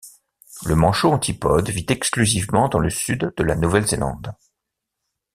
Le manchot antipode vit exclusivement dans le sud de la Nouvelle-Zélande.